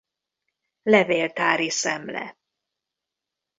Levéltári Szemle.